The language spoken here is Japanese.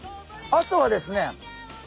あとはですね先生